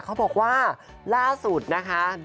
เขาบอกว่าล่าสุดนะคะ